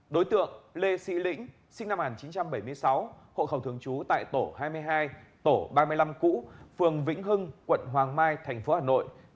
đối tượng lê sĩ lĩnh sinh năm một nghìn chín trăm bảy mươi sáu hộ khẩu thường trú tại tổ hai mươi hai tổ ba mươi năm cũ phường vĩnh hưng quận hoàng mai tp hà nội